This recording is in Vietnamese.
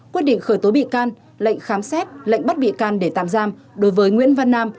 quyết định khởi tố bị can lệnh khám xét lệnh bắt bị can để tạm giam đối với nguyễn văn nam